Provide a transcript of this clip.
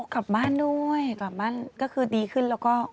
กลับบ้านด้วยกลับบ้านก็คือดีขึ้นแล้วก็